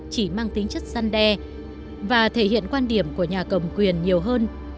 chỉ mang tính chất gian đe và thể hiện quan điểm của nhà cầm quyền nhiều hơn